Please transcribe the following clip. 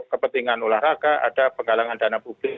kepentingan olahraga ada penggalangan dana publik